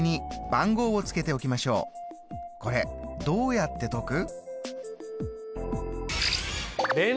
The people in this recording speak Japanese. これどうやって解く？